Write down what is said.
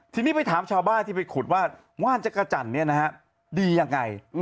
ทีนี้ไปถามชาวบ้านที่ไปขุดว่าว่านจักรจันทร์ดียังไง